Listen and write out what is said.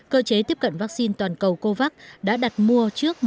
cơ chế tiếp cận vaccine toàn cầu covax đã đặt mua trước một trăm bảy mươi